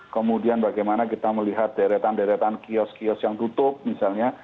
kemudian bagaimana kita melihat deretan deretan kios kios yang tutup misalnya